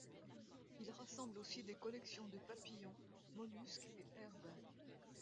Il rassemble aussi des collections de papillons, mollusques et herbes.